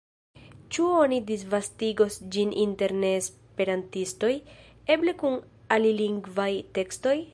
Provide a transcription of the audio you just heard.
Ĉu oni disvastigos ĝin inter neesperantistoj, eble kun alilingvaj tekstoj?